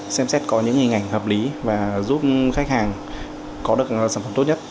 xem xét có những hình ảnh hợp lý và giúp khách hàng có được sản phẩm tốt nhất